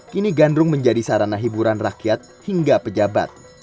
kini gandrung menjadi sarana hiburan rakyat hingga pejabat